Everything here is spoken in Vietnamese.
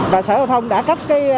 và sở giao thông đã cấp